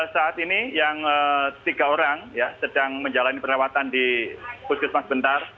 saat ini yang tiga orang sedang menjalani perawatan di puskesmas bentar